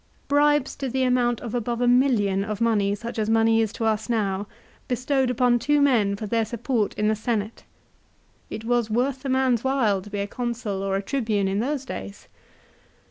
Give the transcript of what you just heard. Bribes to the amount of above a million of money such as money is to us now, bestowed upon two men for their support in the Senate ! It was worth a man's while to be a Consul or a Tribune in those days.